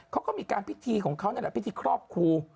เขาก็มีการพิธีของเขานั่นแหละพิธีครอบครู